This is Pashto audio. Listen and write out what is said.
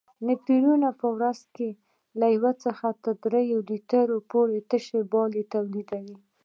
نفرونونه په ورځ کې له یو څخه تر دریو لیترو پورې تشې بولې تولیدوي.